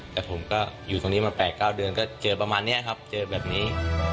แต่ผมก็อยู่ตรงนี้มา๘๙เดือนก็เจอประมาณนี้ครับเจอแบบนี้